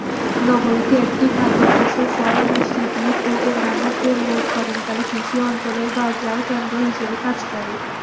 নগরীটি একটি খাদ্যশস্য, ফল, মিষ্টি বিট ও অন্যান্য পণ্য উৎপাদনকারী কৃষি অঞ্চলের বাজার কেন্দ্র হিসেবে কাজ করে।